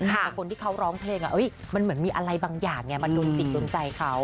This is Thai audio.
แต่คนที่เขาร้องเพลงมันเหมือนมีอะไรบางอย่างไงมาโดนจิตโดนใจเขา